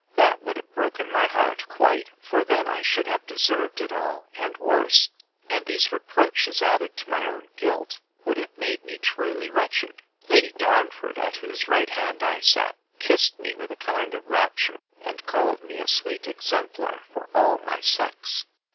—That would have broken my heart quite!—For then I should have deserved it all, and worse; and these reproaches, added to my own guilt, would have made me truly wretched! Lady Darnford, at whose right hand I sat, kissed me with a kind of rapture, and called me a sweet exemplar for all my sex.